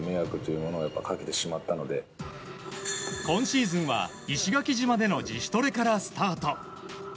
今シーズンは石垣島での自主トレからスタート。